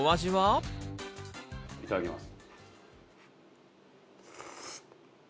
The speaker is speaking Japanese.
いただきます。